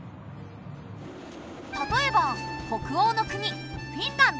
例えば北欧の国フィンランド。